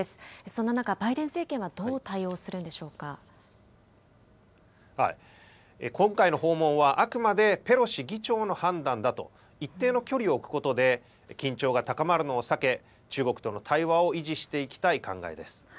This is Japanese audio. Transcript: そんな中、バイデン政権はどう対今回の訪問は、あくまでペロシ議長の判断だと、一定の距離を置くことで、緊張が高まるのを避け、中国との対話を維持していきたい考えです。